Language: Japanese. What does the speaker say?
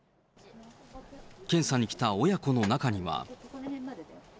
検査に来た親子の中には。